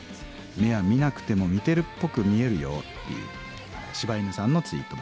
目は見なくても見てるっぽく見えるよ」っていうシバイヌさんのツイートもありました。